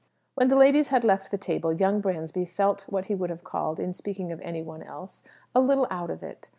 When the ladies had left the table, young Bransby felt what he would have called, in speaking of any one else, "a little out of it."